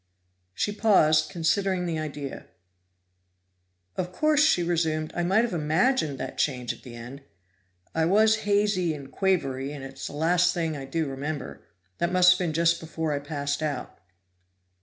She paused, considering the idea. "Of course," she resumed, "I might have imagined that change at the end. I was hazy and quavery, and it's the last thing I do remember; that must have been just before I passed out."